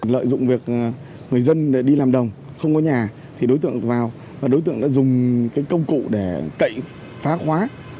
lợi dụng việc người dân đi làm đồng không có nhà thì đối tượng vào và đối tượng đã dùng cái công cụ để cậy phá hóa